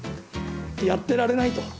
やってられないと。